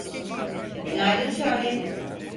Günaydın Charlie.